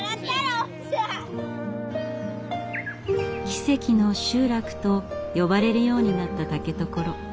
「奇跡の集落」と呼ばれるようになった竹所。